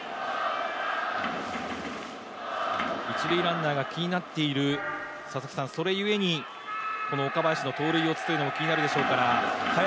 一塁ランナーが気になっている、それゆえに岡林の盗塁をつくのも気になりますから。